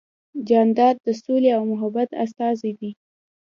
جانداد د سولې او محبت استازی دی.